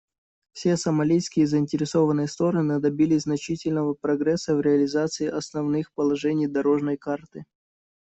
Все сомалийские заинтересованные стороны добились значительного прогресса в реализации основных положений «дорожной карты».